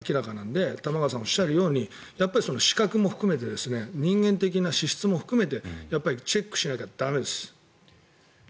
そんなのは火を見るより明らかなので玉川さんがおっしゃるように資格も含めて人間的な資質も含めてやっぱりチェックしなきゃ駄目です。